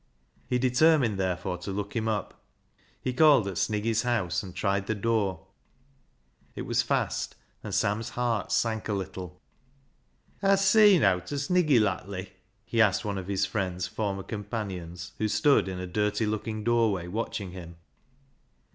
He determined, therefore, to look him up. He called at Sniggy's house, and tried the door. It was fast, and Sam's heart sank a little. '• Hast seen owt o' Sniggy lattly?" he asked one of his friend's former companions, who stood in a dirty looking doorway watching him.